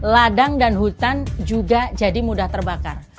ladang dan hutan juga jadi mudah terbakar